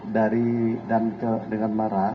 dari dan ke dengan mara